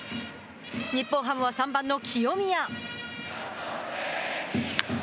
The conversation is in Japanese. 日本ハムは３番の清宮。